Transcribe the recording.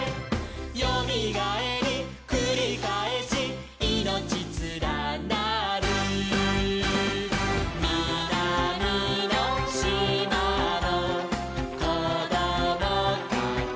「よみがえりくりかえしいのちつらなる」「みなみのしまのこどもたち」